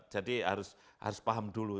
jadi harus paham dulu